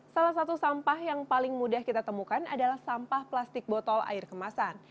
salah satu sampah yang paling mudah kita temukan adalah sampah plastik botol air kemasan